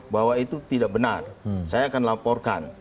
bahwa itu tidak benar saya akan laporkan